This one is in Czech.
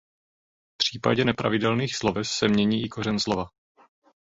V případě nepravidelných sloves se mění i kořen slova.